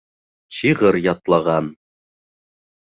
Шиғыр ятлаған.